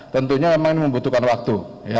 tentunya memang ini membutuhkan waktu